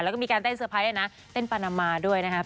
แล้วก็มีการเต้นเตอร์ไพรสด้วยนะเต้นปานามาด้วยนะครับ